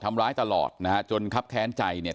ทำร้ายตลอดนะฮะจนครับแค้นใจเนี่ย